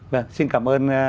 vâng xin cảm ơn